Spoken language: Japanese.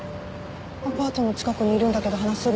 アパートの近くにいるんだけど話せる？